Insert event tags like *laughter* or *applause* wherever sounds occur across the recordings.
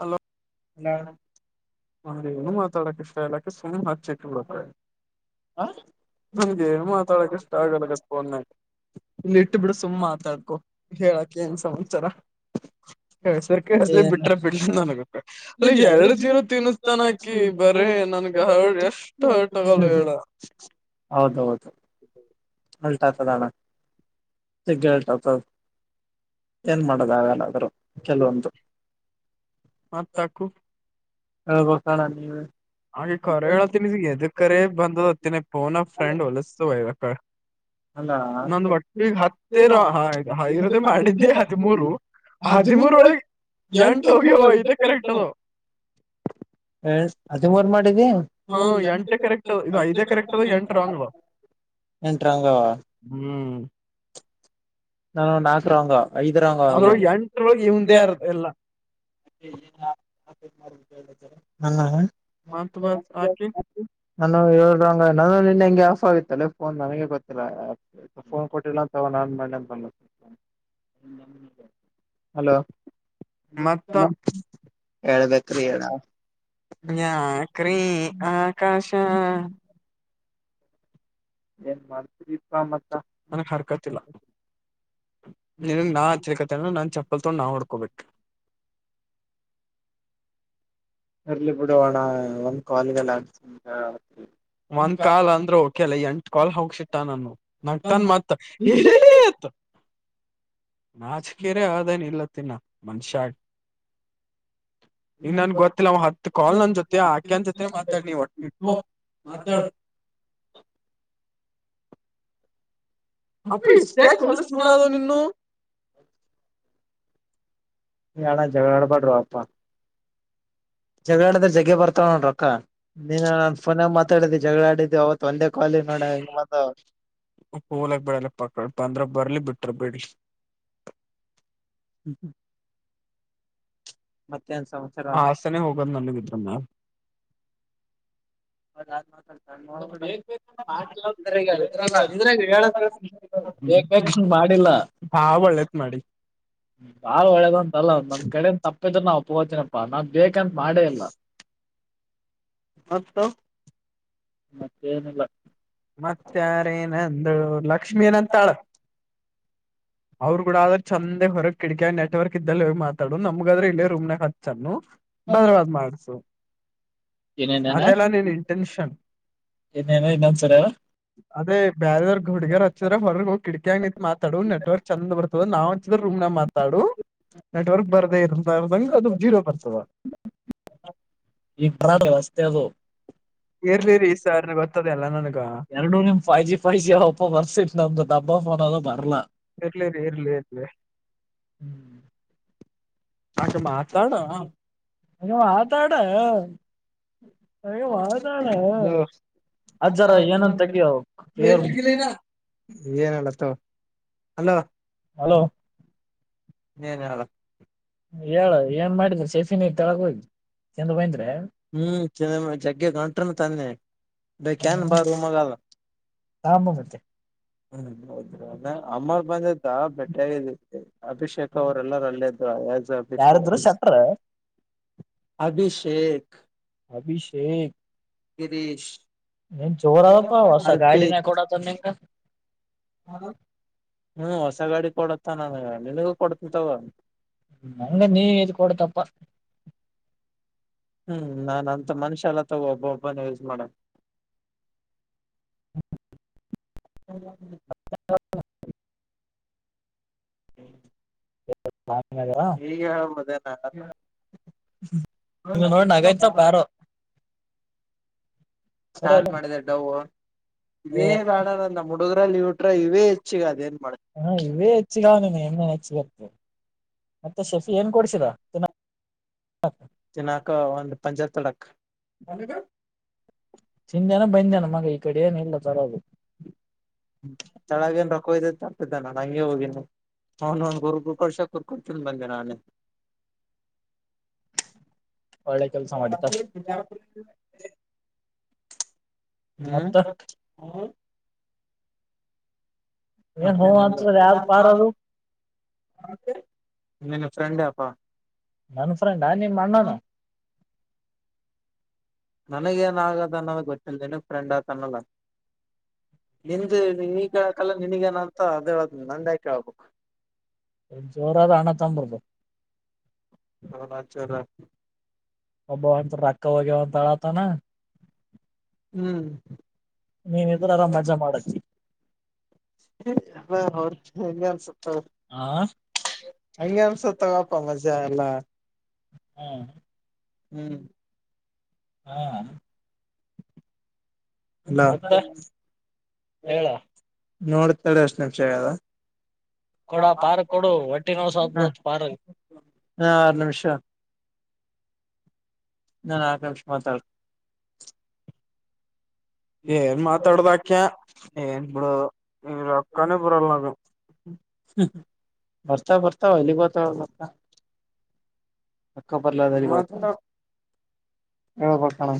hello ನು ಮಾತಾಡಕ್ಕೆ ಶಫಲಾಕ್ಕೆ ಸ್ವಯ ಹ ಚೆಟ್ಟಿಡತ ನಂಗೆ ಮಾತಾಡಕ್ಕೆ ಇಷ್ಟ ಆಗಲ್ಲ ಗತ್ಪನ್ನ ಇಲ್ಲಿ ಇಟ್ಟ ಬಿಡು ಸುಮ್ ಮಾತಾಡ್ಕೊ ಹೇಳಕ್ ಏನ್ ಸಂತ್ಚಾರ *unintelligible* ನನಗುತ್ತೆ ಅಲ್ಲಿ ಎರಡು ಜೀನ ತಿನ್ನಿಸ್ತಾನ ಅಕಿ ಬರೇ ನನ್ಗ ಹರ್ಡ್ ಎಷ್ಟು ಹರ್ಗಲ್ಲ ಹೇಳ *unintelligible* ಹೌದೌದು ಹ ಅಲ್ಟ್ ಆಗ್ತದ ಅಣ್ಣ ಸಗ್ಗಲ್ಟ ಆತದ ಏನ್ ಮಾಡೊದುದಾಗಲ್ಲಾದರುೂ ಕೆಲವೊಂದು ಮತ್ತ ತಕ್ಕು ಹೇಳ್ಬೇಕು ಅಣ್ಣಾ ನೀವೆ ಹಾಗೆ ಕರೆ ಹೇಳತಿನಿ ಎದ ಕರೆ ಬಂದ್ ಹೊತ್ತಿನಿ ಪನ ಫ್ರೆಂಡ್ ಹೊಲಸ್ತವ ಹಾ ನಂದು ಮಟ್ಟಿಗೆ ಹತ್ತಿರ ಇರೋದೇ ಮಾಡಿದ್ದಿ ಹದಿ್ಮೂರು ಹದಿಮೂರೊಳಗೆ ಎಂಟ ಹೋಗ್ಯವ ಐದ ಕರೆಕ್ಟ್ ಅದ ಹ್ಮ ಹದಿಮೂರು ಮಾಡಿಧಿ ಹ್ಮ್ ಹ ನಾಕರಾವಂಗಾ ಐದರಂಗ ಹ ಹನ್ತ ಬಸ್ ಆಕ ನಾನು ಹಂಗ ನಾನು ನಿನ್ನ ಹೆಂಗೆ ಆಫ್ ಆಗಿತ್ತಲ್ಲೇ ಫೋನ್ ನನಗೆ ಗೊತ್ತಿಲ್ಲ ಫೋನ್ ಕೊಟ್ಟಿಲ್ಲಂತಗೊಂಡ ನನ್ ಹಲೋ *inaudible* ಹೇಳ್ಬೇಕ್ರಿ ಹೇಳ ಯಾ ಕ್ರೀ ಆಕಾಶ ಏನ್ ಮಾಡ್ತರಿ ಮ *inaudible* ನನಗ್ ಹರ್ಕತಿಲ್ಲ ನನ್ಗ್ ನಾ ಹಚ್ಚಿರಿಕತೆ ನಾನ್ ಚಪ್ಪ ಸ್ವಲ್ ತೊಂಡು ನಾವು ಹೊಡ್ಕೊಬೇಕು ಅರ್ಲಿ ಬಿಡೋಣ ಒಂದ್ ಕಲ್ಗಲ್ಲ ಆಗ್ತ ಒಂದ್ ಕಾಲ್ ಅಂದ್ರೆ ಓಕೆಲ್ಲ ಎಂಟ ಕಾಲ್ ಹೋಗಸಿಟ್ಟ ನಾನು ನಗ್ತನ್ ಮತ್ತ ಹೀ ಹೇ ಹೈ *inaudible* ನಾಚಕೀರ ಆದೇನ ಇಲ್ಲ ತಿನ್ನ *unintelligible* ಇ ನನ್ ಗೊತ್ತಿಲ್ಲ ಹತ್ ಕಾಲ್ ನನ್ ಜೊತೆ ಆಕೆ ಅನ್ ಜೊತೆ ಮಾತಾಡ್ಡಿ ನೀ ಒಟ್ಟಿ ಇಟ್ಟು ಮತಾಡ್ ಅಪ್ಪ ಇಷ್ಟಾ ಯಾಕ್ ಹೊಲಸ ನೋಡದು ನಿನ್ನು ಬ್ಯಾಡ ಜಗಳ ಆಡಬಡರು ಅಪ್ಪಾ ಜಗಳಾಡಿದೆ ಜಗ್ ಬರ್ತಾವ ನೋಡ್ರ ರೊಕ್ಕಾ ನೀ ನಾನ್ ಫೋನ ಮಾತಾಡಿದ್ದಿ ಜಗಳಾಡಿದಿದ್ದು ಅವತ್ತು ಒಂದೇ ಕಾಲ ನಡ ಹೆಂಗ ಮಾತು ಹೋಲಕ್ ಬಳಲ್ಲ ಪಕ್ಕ ಬಂದ್ರ ಬರ್ಲಿ ಬಿಟ್ರ ಬೀಡಿ ಹ್ಮ ಹ್ಮ ಹಸಾನೆ ಹೋಗೋದು ನನ್ನ ಬಿತ್ರ *unintelligible* *unintelligible* *unintelligible* ಹಬಳ್ಳ ಎತ್ ಮಾಡಿ ಬಾಳ್ ಒಳ್ಳೇದ ಅಂತಲ್ಲ ನಮ್ಮ ಕಡೆನ್ ತಪ್ಪಿದ್ರರು ನಾ ಒಪ್ಗೋತೀನಪ್ಪಾ ನಾನ್ ಬೇಕ್ ಮಾಡೇ ಇಲ್ಲ ಮತ್ತು ಮತ್ತೆ ಏನಿಲ್ಲ ಮತ್ತ ಯಾರೇನಂದು ಲಕ್ಷ್ಮೀ ಏನಂತಾಳ ಅವರು ಕೂಡ ಅದ್ರ ಚಂದ ಹೊರಗೆ ಕಿಡಕಿಯ ನೆಟ್ವರ್ಕ್ ಇದ್ದಲ್ಲಿ ಮಾತಾಡು ನಮ್ಗಾದ್ರೆ ಇಲ್ಲೇ ರೂಮ್ನಾಗ್ ಹರ್ಚನ್ನು ಭದ್ರವಾದ್ ಮಾಡಸು ಅದೆ ಎಲ್ಲ ನೀನ್ ಇಂಟೆನ್ಷನ್ ಅದೇ ಬ್ಯಾರದವರ್ ಹುಡ್ಗರ್ ಹಚ್ಚಿದ್ರ ಹೊರರ್ಗ ಕಿಕ ಆಂಗ ನಿಂತತ್ ಮಾತಾಡು ನೆಟ್ವರ್ಕ್ ಚಂದ ಬರ್ತದ ನಾವ್ಂಚಿದ್ರ ರೂಮ್ ಮಾತಾಡು ನೆಟ್ವರ್ಕ್ ಬರ್ದೇ ಇರ *unintelligible* ಬರ್ದಗ ಜೀರೋ ಬರ್ತವಾ ಇರ್ಲಿರಿ ಈ ಸರ್ ಗೊತ್ತದೆ ಎಲ್ಲ ಎರಡು ನಿಮ್ ಫೈವ್ ಜಿ ಫೈವ್ ಜಿ ಬರ್ತತ್ ನಮ್ದು ದಬ್ಮ್ಮ ಫೋನ್ *unintelligible* ಇರ್ಲಿ ರಿ ಇರ್ಲಿ ಇರ್ಲಿ ನೀವು ಆತಾಡು *unintelligible* ಮಾತಾಡು ಅಜ್ಜರು ಏನನ್ ತಗಿಯೋ ಏನಲ್ಲತ್ತವ್ ಹಲೋ ನೀನೆ ಹೇಳು ಹೇಳ ಏನ್ ಮಾಡಿದ್ರೆ ಸೆಫಿನ ತೊಳಗ ಹೋಗಿ ಚಂದ ಬೈಂದ್ರೆ ಹ್ಮ್ *unintelligible* ತಂದೆ *unintelligible* ಹ್ಮ ಹೌದ ಅಮ್ಮವರ್ ಬಂದಿತ ಬೆಟ್ಟೆ ಅಭಿಷೇಕ್ ಅವ್ರ ಎಲ್ಲರ ಅಲ್ಲೇ ಇದ್ದವ್ ಯಾರಿದ್ರು ಸಟ್ರ ಅಭಿಷೇಕ್ ಅಭಿಷೇಕ್ ಗಿರೀಶ್ ನಿನ್ ಜೋರ್ ಅದಪ್ಪ ಹೊಸ ಗಾಡಿನ ಕೊಡತ ನಿಂಕ ಹ್ಮ್ ಹೊಸ ಗಾಡಿ ಕೊಡತ್ತ ನನ್ಗ ನಿನಗೂ ಕೊಡ್ತಿನ್ ತಕೊ ನಂಗ ನೀ ಇದ್ ಕೊಡ್ತಪ್ಪ ಹ್ಮ್ ನಾನು ಅಂತ ಮನುಷ್ಯ ಅಲ್ಲ ತಗೊ ಒಬ್ಬ ಒಬ್ಬನೆ ಯೂಸ್ ಮಾಡಕ್ *unintelligible* *unintelligible* *inaudible* *inaudible* ಬಾತ್ ನಗರ ನೋಡ ನಗೈತ ಪ್ಯಾರು ಸ್ಟಾರ್ಟ್ ಮಾಡಿದ ವ ಇವೇ ಬೇಡ ನ ನಮ್ಮ ಹುಡುಗ್ರಲ್ಲಿಟ್ರ ಇವೇ ಹೆಚ್ಚಿಿಗೆ ಅದೇಏನ್ ಮಾಡ ಹಾ ಇೇ ಹೆಚ್ಚಗಾವ ನ ಹೆಮ ಹೆಚ್ಚ ಬರ್ತು ಮತ್ತೆ ಶೆಫಿ ಏನ್ ಕೊಡ್ಸರ ದಿನಾಕ ಒಂದು್ ಪಂಜತ್ ತಡಕ್ ಚಿಂದ್ಯಾನ ಬಂದ್ಯನ ಮಗ ಈ ಕಡೆ ಏನ್ ಎಲ್ಲ ತರದು ತಳಗ ಏನ್ ರೊಕ್ಕೊಯ್ದ ತರ್ತಿದ್ದಾನ ನಂಂಗಗೆ ಹೋಗಿನಿ ಹನು ಗುರು ಗುರುಕಷ ಕುುರುಕಡ್ತ ಬಂದೆ ನಾನು ಅ ಗಜಾ ಹ್ಮ್ ಅ ನಿನ್ನ ಫ್ರೆಂಡ ಅಪ್ಪಾ ನನ್ ಫ್ರೆಂಡ್ಾ ನೀಮ ಅಣ್ಣೋನ ನನಗೇನ ಆಾಗದ ಅನ್ನೋದು ಗೊತ್ತಿಿಲ್ಲದೇನ ಫ್ರೆಂಡಾತನ್ನಲ್ಲ ನಿಂದು ನೀ ಕೇಳಕಲ್ಲ ನಿನಗ ನಂತ ಅದೇ ನಂದೇ ಕೇಳ್ಬೇಕು ಜೋರಾ ತ ಅಾನತ್ತಂಬ ರೂಪ ಹೌಚಲ್ಲ ಅಬ ಒಂತ ರಾಕ ವ ಒ ತಳತ ಹ್ಮ್ ನೀನ್ಿದ್ರಾರ ಮಜಾ ಮಾಡಕ ೌ ಹಗೆ ಸತ ಹಂಗೆನು ಸುತ್ತ ಪಪಾ ಮಜಾ ಆ ಇಲ್ಲ ಹಾ ಹ್ಮ್ ಹಾ ಅಲ ನೋಡ್ತಾಳ ಅಷ್ಟ ನಿಮಷಗ ಅದ ಕೊಡ ಪಾರ್ ಕೊಡು ಒಟ್ಟಿ ನೋಸತ್ ಬತ್ ಪಾರ್ ಹಾ ಆರು ನಿಮಿಷ ನಾನ್ ಆಕಾಂಕ್ಷೆ ಮಾತಾಡ್ ಏನ್ ಮಾತಾಡದು ಅಕ್ಯಾ ಏನ್ ಇಡು ಈ ರಕ್ಕಾನ ಇ ಬುರಲ್ಲ ನಕ ಬರ್ತಾ ಬರ್ತಾ ಹೊಲಿ ಬತ ಅಕ್ಕಬರ್ಲ ದರಿಗತ ಎ ಕೊಡ್ತಾನ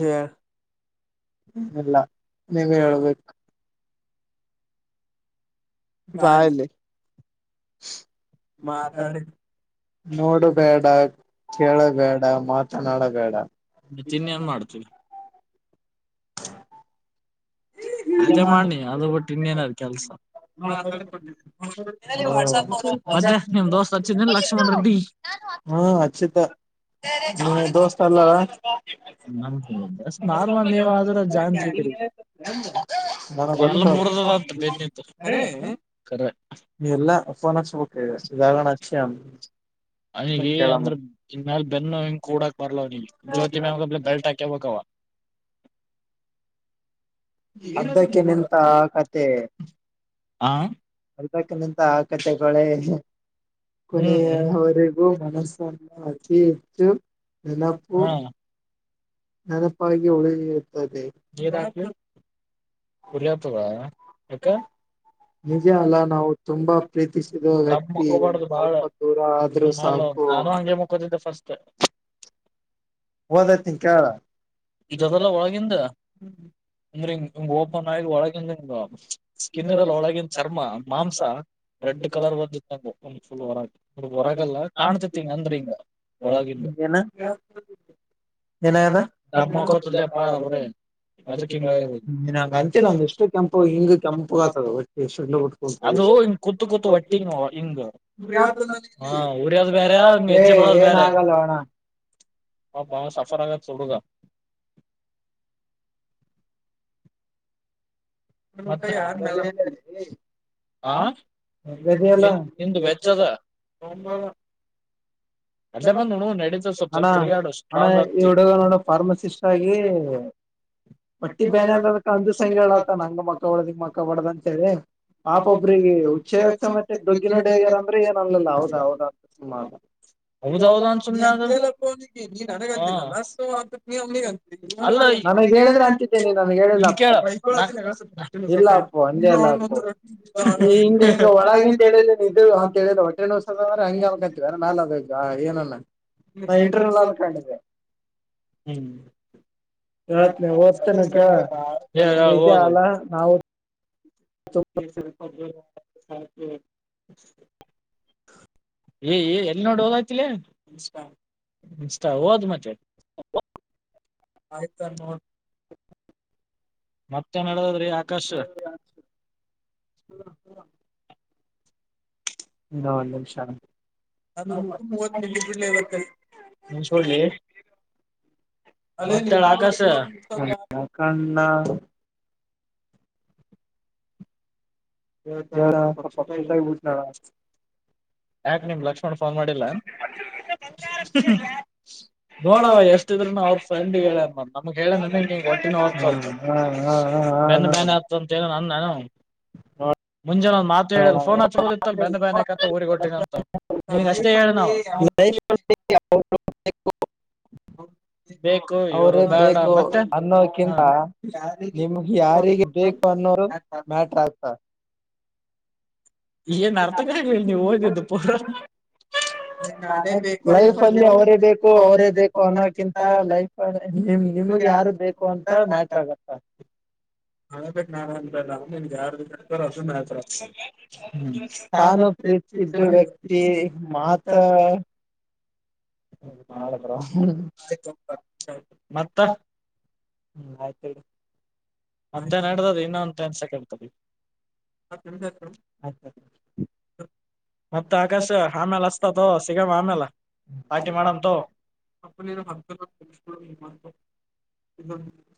ಹ ಇಲ್ಲ ನೀವ್ ಹೇಳ್ಬೇಕು ಬಾಲ್ಲಿ *unintelligible* ಮ ಆತಾರೆ ನೋಡುಬೇಡ ಕೇಳಬೇಡ ಮಾತನಾಡಬೇಡ ಚಿಹ್ನೆನ್ ಮಾಡ್ತೀವಿ ಅಜೆ ಮಾಡಿ ಅದು ಒಟ್ಟು ಇನ್ನೇನಾರ ಕೆಲ್ಸ ಹ ಮದ್ಯಾೆ ನಿಮ್ ದೋಸ್ತ್ ಹಚ್ಚಿದ್ದ ಲಕ್ಷ್ಮಣ್ ರೆಡ್ಡಿ ಹ್ಮ್ ಅಚ್ಚಿತ ದೋಸ್ತ ಅಲ್ಲಾರ ನಮ ನಾರ್ಮಲ್ ನೀವು ಆದ್ರ ಜಾಂತ ನ ಎಲ್ಲ ಫೋನ್ ಹಾಕ್ಸ್ಬಬೇಕದೆಾಗರಣ ಅಕ್ಷಿ ಅವನಿಗೆ ಅಂದ್ರ ಇನ್ ಮ್ಯಾಲ ಬೆನ್ನು ಹಿಂಗ ಕೂಡಾಕ್ ಬರ್ಲ ಅವನಿಗೆ ಜ್ಯೋತಿ ಮ್ಯಾಗಲೆ ಬೆಲ್ಟ್ ಹಾಕೇಬಬೇಕ ಅವ ಅದ್ದಕ್ಕೆ ನಿಂತ ಕತೆೆ ಅದಕ್ಕ ನಿಂತ ಆಕತೆಗಳೆ ಕೊನೆಯವರಿಗೂ ಮನಸ್ಸನ್ನು ಅತಿ ಹೆಚ್ಚು ಹ್ಮ್ ನೆನಪ ಉಳಿ ಇರ್ತದೆ ಏನಾಯಿತು ಉರಿಯೋತವ ಯಾಕ ನಿಜ ಅಲ್ಲ ನಾವು ತುಂಬಾ ಪ್ರೀತಿಸಿದ ವ್ಯಕ್ತಿ ಸ್ವಲ್ಪ ದೂರ ಆದ್ರೂ ಸಾ ನಾನು ಹಂಗೆ ಮುಕೋತಿದ್ದೆ ಫಸ್ಟ್ ಇದದೆಲ್ಲ ಒಳಗಿಂದ ಅಂದ್ರೆ ಓಪನ್ ಆಗ ಒಳಗಗೆ ಸ್ಕಿನ್ ಇರಲ್ ಒಳಗ ಚರ್ಮ ಮಾಂಸ ರೆಡ್ ಕಲರ್ ಬಂದಿತ್ತು ನಂಗ ಒಂದು ಫುಲ್ ಹೊರಗ ಹೊರಗೆಲ್ಲ ಕಾಣ್ತಿತಿಂಗ ಆದ್ರೀಂಗ ಏನ ಏನಾಗದ ಅದಕ್ಕಿನ ಅಂತೆ ನಮ್ ಎಷ್ಟು ಕೆಂಪು ಹಿಂಗ ಕೆಂಪು ಆಗ್ತದ ಅವೆ ಅದು ಹಿ ಕೂತ ಕೂತ್ ಒಟ್ಟಿಂಗ ಹಿಂಗ ಉ ಹ ಉರಿಯದು ಬೇರೆ ಮ ಹೆಜ್ಜೆಡ ಬೇರೆ ಬ ಸರ್ ಸರ್ ಆಗಲ್ ಮತ್ತೆ ಯಾರಲ್ಲ *unintelligible* ಹ ನಿಂದು ವೆಜ ಅದ ಅಣ ಹಣ್ಣ ಈ ಹಡುಗ ನೋಡ ಫಾರ್ಮಸಿಸ್ಟ್ ಆಗಿ ಬಟ್ಟಿ ಬೇನ ಅದ ಅಂದ ಸಂಂಗ ಹೇಳತ ನಂಗ ಮಕ್ಕ ಹೊಡ್ದಗ್ ಮಕ್ಕ ಒಡ್ದ ಅಂತ ಹೇಳಿ ಪಾಪ ಒಬ್ರಿಗೆ ಉಚ್ಚಯ ಮತ್ತೆ ಡಗ್ಗಿನ ನಡಿಗ್ಯಾರ ಅಂದ್ರೆ ಏನ್ನ್ಲ ಹೌದಾ ಹೌದ ಅಂತ ಸುಾ ಅ ಹೌದೌದ ಅನ್ ಸುಮ್ಮನೆ ಅಲ್ಲಕ್ಕ ಅವನಿ ನೀ ನನಗಂತ ಮನಸ್ಸು ಅಂತ ನೀಗೆ ಅಲ್ಲ ಹೇಳಿದ್ರೆ ಅಂತಿದ್ದೇನೆ ನಮಗೆ ಇಲ್ ಕೇಳ *unintelligible* ಒಟ್ಟೆವದ್ರ ಹಂಗೆ ಆಗಕತಿವ ಮೇಾಲ ಅ ಬಗ ಏನಣ ನಾ ಇಂಟರ್ನಲ್ ಕಿದ್ದೆ ಕೇತ್ ನೀ ಓದ್ತೇನೆ ಕೇಳ ನಿಜ ಅಲ್ಲ ನಾವು ಪ *unintelligible* ಏ ಎಲ್ಲಿ ನೋಡಿ ಹಓದಾಯ್ತಿಲ ಇಷ್ಟ ಓದು ಮತ್ತೆ ಆಯ್ತ ಮತ್ತೆ ನಡದದ್ರಿ ಆಕಾಶ್ ಇನು ಒನ್ ನಿಮಿಷ ರಿ ನ ಒತ್ತು ಮೂವತ್ ನಿಮ ಬಿಡ್ಲಿ ಇವತ್ತ ನಿನ್ಸ ಬಿಡ್ಲಿ *unintelligible* ಆಕಾಶ್ ಯಾರ *unintelligible* *unintelligible* *unintelligible* ಹ ಹ ಹ ಬೆನ್ನ ಬೇನೆ ಹತ್ರಂತ ನನ್ನನು ಹಾ ಮುಂಜಾನ ಒಂದ್ ಮಾತ ಹೇಳಲ ಫೋನ್ ಹಚ್ಬೋದಿತ್ತು ಬೇ ಬೇ ಅಂತ ಊರಿಗೆ *unintelligible* ಹ *unintelligible* ಬೇಕು ಇವರು ಬೇಡ ಮತ್ತೆ ಹ *unintelligible* ಮ್ಯಾಟ್ರ ಆಯತಾ ಏನ್ ಅರ್ಥಕ ಆಗಲ್ಲ ನೀವ್ ಹಓದಿದ್ದು ಪೂರಾ ನೇ ಲೈಫ್ ಅಲ್ಲಿ ಅವರೇ ಬೇಕು ಅವರೇ ಬೇಕು ಅನ್ನೋಕಿಂತ ಲೈಫ್ ನಿಮ ನಿಮ್ಗೆ ಯಾರು ಬೇಕು ಅಂತ ಮ್ಯಾಟರ್ ಆಗತ್ತ *unintelligible* ನಾ ಪ್ರೀತಿಸಿದ ಅಂತ ರ *unintelligible* ಹ್ಮ್ ಆಯ್ತು ಇಡು ಅಂತೇ ನಡ್ದದ ಇನ್ನುೊ ಅಂತೆ ಅನ್ಸಕತದೆ ಸತ್ಯ ಸತ್ಯಂ ಮತ್ತೆ ಆಕಾಶ ಆಮೇಲೆ ಅಸ್ತತ್ ಸಿಗಮ್ ಆಮೇಲ ಆಯ್ತೆ ಮಾಡಂತ